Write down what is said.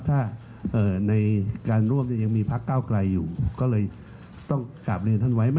ถ้าในการร่วมยังมีพักเก้าไกลอยู่ก็เลยต้องกลับเรียนท่านไว้